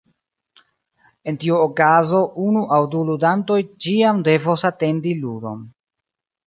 En tiu okazo, unu aŭ du ludantoj ĉiam devos atendi ludon.